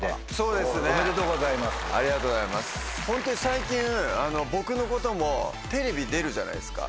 最近僕のこともテレビ出るじゃないですか